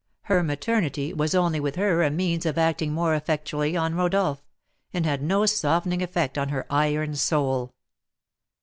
Her maternity was only with her a means of acting more effectually on Rodolph, and had no softening effect on her iron soul.